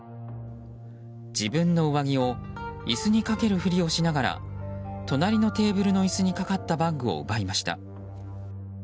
自分の上着を椅子にかけるふりをしながら隣のテーブルの椅子にかかったバッグを奪いました。